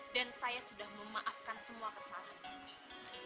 dan saya sudah memaafkan semua kesalahanmu